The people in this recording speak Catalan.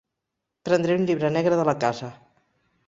Prendré un llibre negre de la casa.